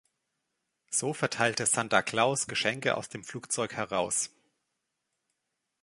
So verteilte „Santa Claus“ Geschenke aus dem Flugzeug heraus.